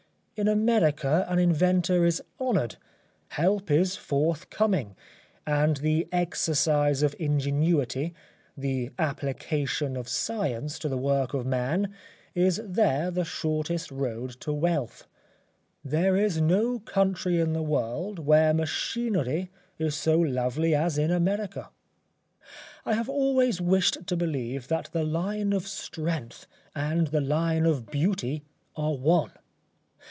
In America an inventor is honoured, help is forthcoming, and the exercise of ingenuity, the application of science to the work of man, is there the shortest road to wealth. There is no country in the world where machinery is so lovely as in America. I have always wished to believe that the line of strength and the line of beauty are one.